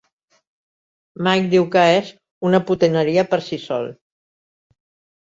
Mike diu que és "una potineria per si sol".